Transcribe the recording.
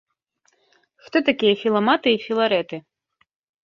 Хто такія філаматы і філарэты?